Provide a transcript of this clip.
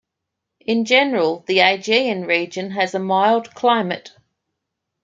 In general the Aegean region has a mild climate.